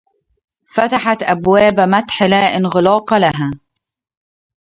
فتحت أبواب مدح لا انغلاق لها